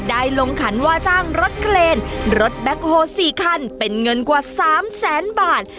ลงขันว่าจ้างรถเคลนรถแบ็คโฮ๔คันเป็นเงินกว่า๓แสนบาท